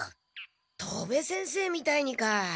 戸部先生みたいにか。